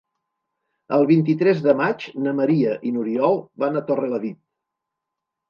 El vint-i-tres de maig na Maria i n'Oriol van a Torrelavit.